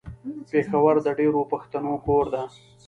پېښور د ډېرو پښتنو کور ده.